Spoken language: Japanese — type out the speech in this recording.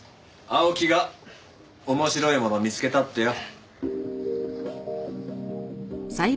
青木が面白いもの見つけたってよ。